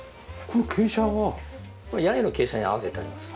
これ屋根の傾斜に合わせてあります。